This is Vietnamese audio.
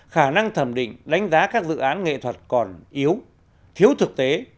khả năng thẩm định đánh giá các dự án nghệ thuật còn yếu thiếu thực tế